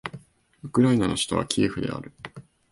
ウクライナの首都はキエフである